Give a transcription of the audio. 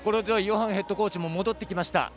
ヨハンヘッドコーチも戻ってきました。